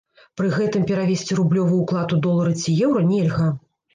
Пры гэтым перавесці рублёвы ўклад у долары ці еўра нельга.